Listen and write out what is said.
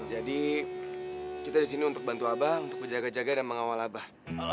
jadi kita disini untuk bantu abah untuk berjaga jaga dan mengawal abah